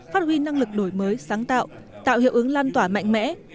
phát huy năng lực đổi mới sáng tạo tạo hiệu ứng lan tỏa mạnh mẽ